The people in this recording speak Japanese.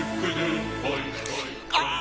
ああ！